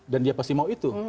dan dia pasti mau itu